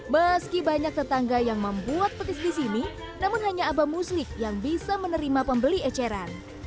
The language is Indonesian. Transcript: meski banyak tetangga yang membuat petis di sini namun hanya abah muslik yang bisa menerima pembeli eceran